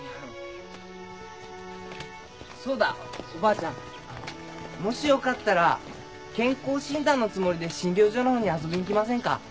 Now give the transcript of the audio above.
あのもしよかったら健康診断のつもりで診療所のほうに遊びに来ませんか？